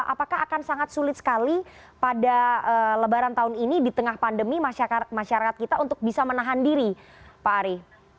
apakah akan sangat sulit sekali pada lebaran tahun ini di tengah pandemi masyarakat kita untuk bisa menahan diri pak ari